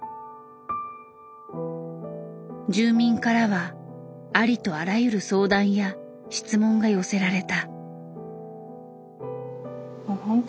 住民からはありとあらゆる相談や質問が寄せられた。